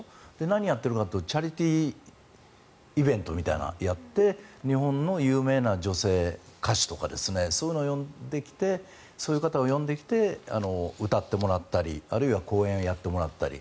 何やっているかというとチャリティーイベントみたいなのをやって日本の有名な女性、歌手とかそういうのを呼んできて歌ってもらったり、あるいは講演をやってもらったり。